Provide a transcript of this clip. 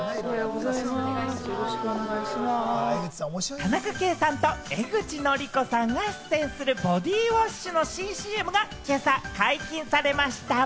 田中圭さんと江口のりこさんが出演するボディウォッシュの新ＣＭが今朝、解禁されました。